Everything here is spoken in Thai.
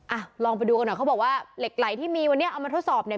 อ่ะลองไปดูกันหน่อยเขาบอกว่าเหล็กไหลที่มีวันนี้เอามาทดสอบเนี่ย